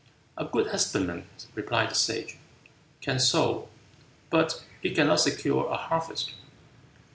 "A good husbandman," replied the Sage, "can sow, but he cannot secure a harvest.